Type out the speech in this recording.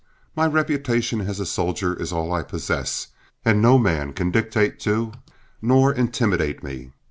My reputation as a soldier is all I possess, and no man can dictate to nor intimidate me.